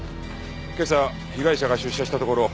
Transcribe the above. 今朝被害者が出社したところ